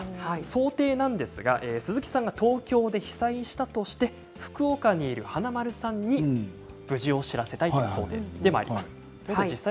想定は鈴木さんが東京で被災したとして福岡にいる華丸さんに無事を知らせたいという想定でまいります。